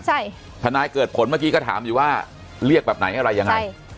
ใช่ทนายเกิดผลเมื่อกี้ก็ถามอยู่ว่าเรียกแบบไหนอะไรยังไง